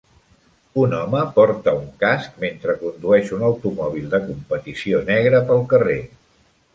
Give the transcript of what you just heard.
Un home porta un casc mentre condueix un automòbil de competició negre pel carrer